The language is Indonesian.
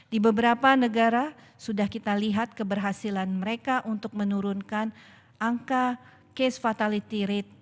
di beberapa negara sudah kita lihat keberhasilan mereka untuk menurunkan angka case fatality rate